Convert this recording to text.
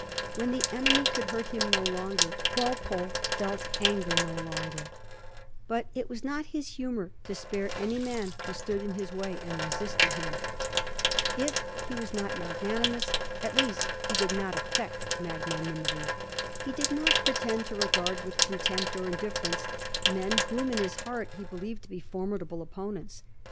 When the enemy could hurt him no longer, Walpole felt anger no longer; 4 A HISTOBT OF THE FOUR GEORGES. cb.zzl but it was not his humor to spare any man who stood in his way and resisted him. If he was not magnanimous, at least he did not affect magnanimity. He did not pro tend to regard with contempt or indifference men whom in his heart he believed to be formidable opponents.